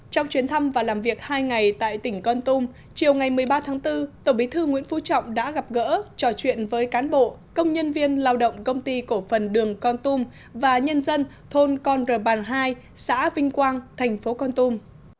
trong chuyến thăm và làm việc hai ngày tại tỉnh con tum chiều ngày một mươi ba tháng bốn tổng bí thư nguyễn phú trọng đã gặp gỡ trò chuyện với cán bộ công nhân viên lao động công ty cổ phần đường con tum và nhân dân thôn con rằ bàn hai xã vinh quang thành phố con tum